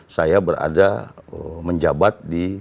saya berada menjabat di